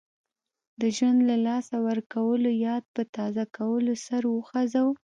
د ژوند له لاسه ورکولو یاد په تازه کولو سر وخوځاوه.